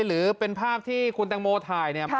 หรือเป็นภาพที่คุณแตงโมถ่ายเนี่ย